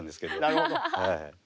なるほど。